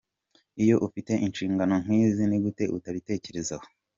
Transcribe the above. Iyo ufite inshingano nk’izi ni gute utabitekerezaho?”.